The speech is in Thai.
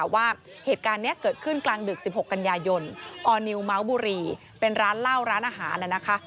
ว่าเหตุการณ์นี้เกิดขึ้นกลางดึก๑๖กันยายนออร์นิวเมาส์บุรีเป็นร้านเหล้าร้านอาหารนะคะ